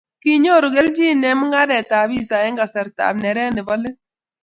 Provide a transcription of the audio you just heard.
kinyoru kelchin eng mung'areab isa eng kasartab neret nebo let